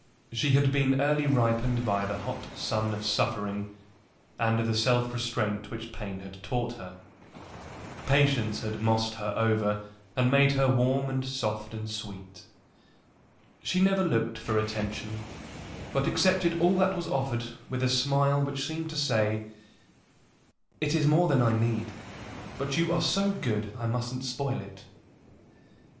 She had been early ripened by the hot sun of suffering, and the self restraint which pain had taught her. Patience had mossed her over and made her warm and soft and sweet. She never looked for attention, but accepted all that was offered with a smile which seemed to say, "It is more than I need, but you are so good I mustn't spoil it."